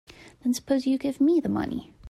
Then suppose you give me the money.